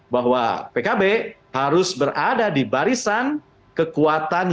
bahwa pkb harus berada di barisan kekuatan